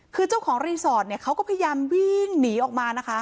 คือเจ้าของรีสอร์ทเขาก็พยายามวิ่งหนีออกมานะคะ